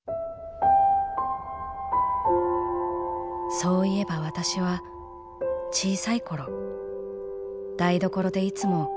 「そういえば私は小さい頃台所でいつも母親の顔を見上げていた」。